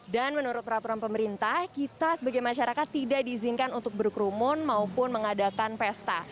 dan menurut peraturan pemerintah kita sebagai masyarakat tidak diizinkan untuk berkerumun maupun mengadakan pesta